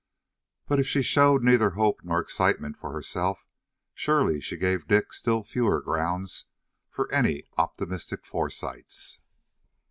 But if she showed neither hope nor excitement for herself, surely she gave Dick still fewer grounds for any optimistic foresights.